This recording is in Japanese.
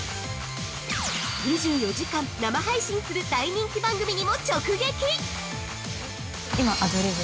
２４時間生配信する大人気番組にも直撃！